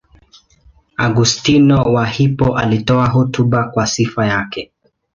Augustino wa Hippo alitoa hotuba kwa sifa yake.